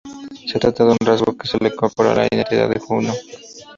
Se trata de un rasgo que se le incorporó a la identidad de Juno.